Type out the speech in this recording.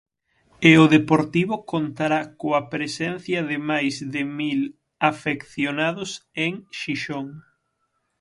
E o Deportivo contará coa presencia de máis de mil afeccionados en Xixón.